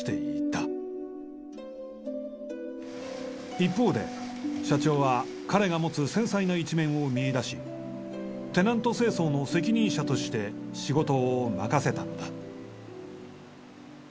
一方で社長は彼が持つ繊細な一面を見いだしテナント清掃の責任者として仕事を任せたのだ。